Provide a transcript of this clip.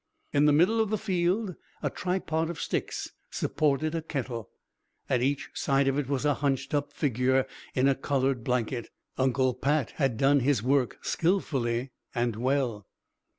In the middle of the field a tripod of sticks supported a kettle. At each side of it was a hunched up figure in a coloured blanket. Uncle Pat had done his work skilfully and well.